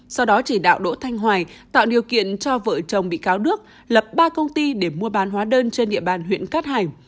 sau đó chỉ đạo đỗ thanh hoài tạo điều kiện cho vợ chồng bị cáo đức lập ba công ty để mua bán hóa đơn trên địa bàn huyện cát hải